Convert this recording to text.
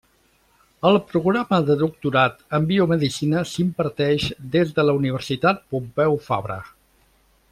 El programa de doctorat en Biomedicina s'imparteix des de la Universitat Pompeu Fabra.